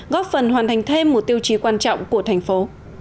góp phần hoàn thành thêm một tiêu chí quan trọng của thành phố